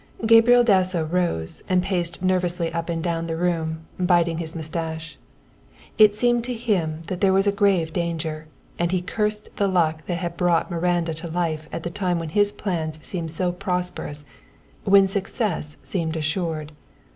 Gabriel Dasso rose and paced nervously up and down the room, biting his moustache. It seemed to him that here was a grave danger, and he cursed the luck that had brought Miranda to life at the time when his plans seemed so prosperous when success seemed assured.